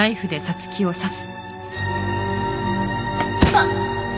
あっ！